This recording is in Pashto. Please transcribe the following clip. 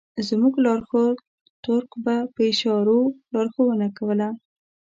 زموږ لارښود تُرک به په اشارو لارښوونه کوله.